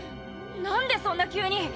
なんでそんな急に！？